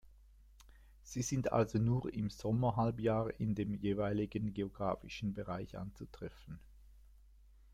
Sie sind also nur im Sommerhalbjahr in dem jeweiligen geographischen Bereich anzutreffen.